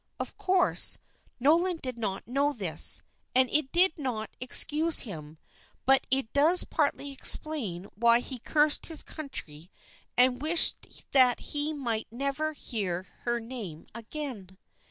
Of course, Nolan did not know this, and it did not excuse him; but it does partly explain why he cursed his country and wished that he might never hear her name again.